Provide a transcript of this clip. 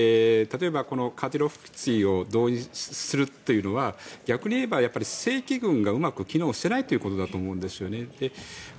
例えば、このカディロフツィを導入するというのは逆に言えば正規軍がうまく機能していないということだと思うんです。